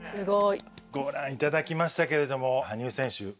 ご覧いただきましたけれども羽生選手